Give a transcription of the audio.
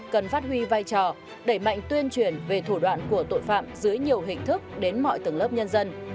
cần phát huy vai trò đẩy mạnh tuyên truyền về thủ đoạn của tội phạm dưới nhiều hình thức đến mọi tầng lớp nhân dân